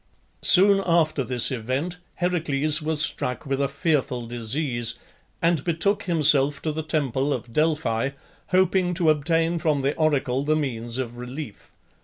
Soon after this event Heracles was struck with a fearful disease, and betook himself to the temple of Delphi, hoping to obtain from the oracle the means of relief.